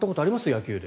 野球で。